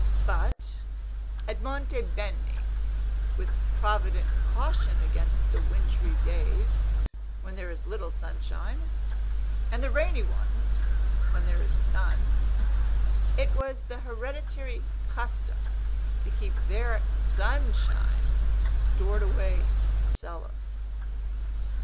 But, at Monte Beni, with provident caution against the wintry days, when there is little sunshine, and the rainy ones, when there is none, it was the hereditary custom to keep their Sunshine stored away in the cellar.